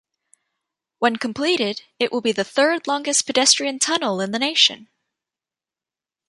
When completed, it will be the third-longest pedestrian tunnel in the nation.